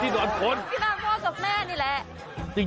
ที่นอนพ่อกับแม่นี่แหละ